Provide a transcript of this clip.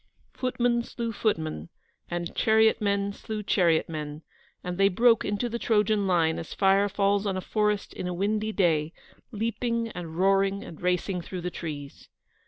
Footmen slew footmen, and chariot men slew chariot men, and they broke into the Trojan line as fire falls on a forest in a windy day, leaping and roaring and racing through the trees.